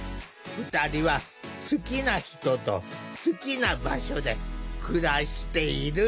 ２人は好きな人と好きな場所で暮らしている。